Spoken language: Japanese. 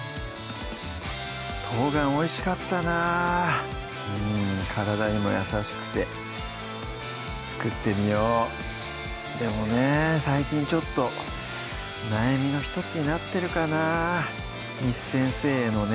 冬瓜おいしかったな体にも優しくて作ってみようでもね最近ちょっと悩みの１つになってるかな簾先生へのね